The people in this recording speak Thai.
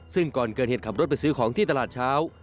ซึ่งก่อนเกิดเหตุขับรถไปซื้อของที่ตลาดเช้า